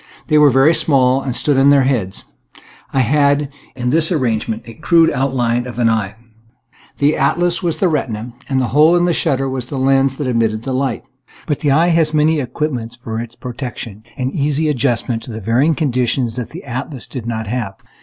They were very small and stood on their heads. I had, in this arrangement, a crude outline of an eye. The atlas was the retina, and the hole in the shutter was the lens that admitted the light. But the eye has many equipments for its protection and easy adjustment to varying conditions that the atlas did not have.